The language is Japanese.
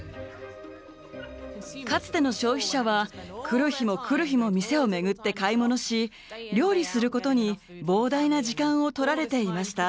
かつての消費者は来る日も来る日も店を巡って買い物し料理することに膨大な時間をとられていました。